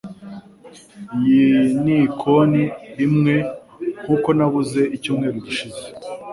Iyi ni ikooni imwe nkuko nabuze icyumweru gishize.